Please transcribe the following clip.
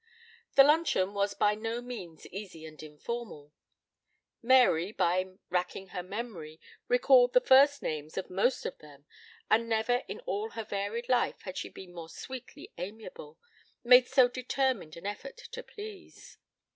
The luncheon was by no means easy and informal. Mary, by racking her memory, recalled the first names of most of them and never in all her varied life had she been more sweetly amiable, made so determined an effort to please.